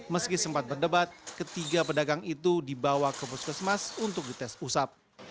meski sempat berdebat ketiga pedagang itu dibawa ke puskesmas untuk dites usap